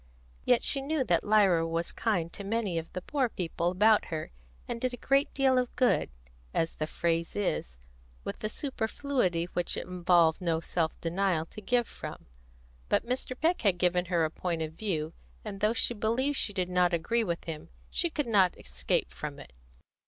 Yet she knew that Lyra was kind to many of the poor people about her, and did a great deal of good, as the phrase is, with the superfluity which it involved no self denial to give from. But Mr. Peck had given her a point of view, and though she believed she did not agree with him, she could not escape from it.